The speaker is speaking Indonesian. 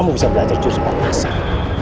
kamu bisa belajar jurus paksa